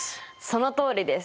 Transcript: そのとおりです。